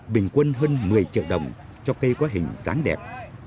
bình quân hơn một mươi triệu đồng cho cây có hình dáng đẹp